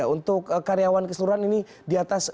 untuk karyawan keseluruhan ini di atas